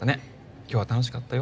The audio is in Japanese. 「今日は楽しかったよ」